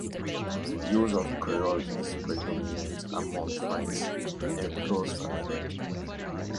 Use of Creole is predominant among friends and close family.